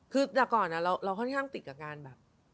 คือแต่ก่อนเราค่อนข้างติดกับการแบบ